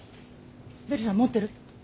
ベルさん持ってる？え？